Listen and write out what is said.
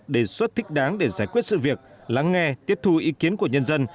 đề xuất thích đáng để giải quyết sự việc lắng nghe tiếp thu ý kiến của nhân dân